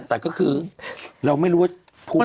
แต่ก็คือเราไม่รู้ว่าพูด